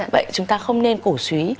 vậy chúng ta không nên cổ suý